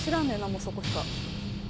もうそこしか。